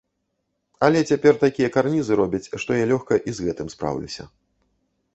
Але цяпер такія карнізы робяць, што я лёгка і з гэтым спраўляюся.